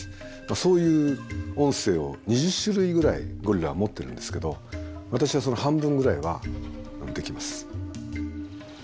そういう音声を２０種類ぐらいゴリラは持ってるんですけど私はその半分ぐらいはできます。